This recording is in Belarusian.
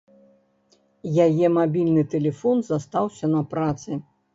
Яе мабільны тэлефон застаўся на працы.